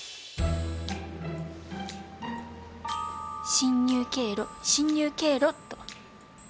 侵入経路侵入経路っと。